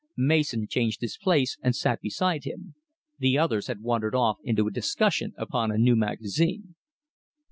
Mason changed his place and sat beside him. The others had wandered off into a discussion upon a new magazine.